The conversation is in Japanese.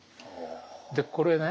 でこれね